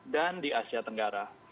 dan di asia tenggara